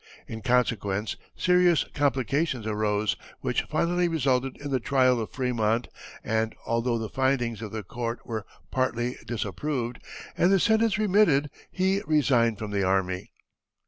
In consequence serious complications arose, which finally resulted in the trial of Frémont, and, although the findings of the court were partly disapproved and the sentence remitted, he resigned from the army.